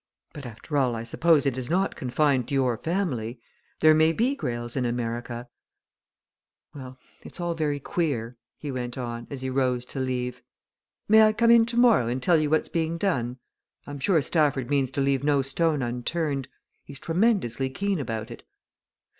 "But, after all, I suppose it is not confined to your family. There may be Greyles in America. Well it's all very queer," he went on, as he rose to leave. "May I come in tomorrow and tell you what's being done? I'm sure Stafford means to leave no stone unturned he's tremendously keen about it."